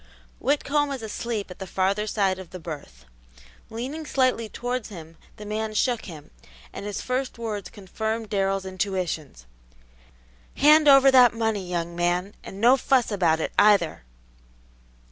Whitcomb was asleep at the farther side of his berth. Leaning slightly towards him, the man shook him, and his first words confirmed Darrell's intuitions, "Hand over that money, young man, and no fuss about it, either!"